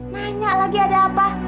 nanya lagi ada apa